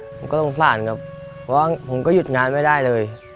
ผมก็สงสารครับเพราะว่าผมก็หยุดงานไม่ได้เลย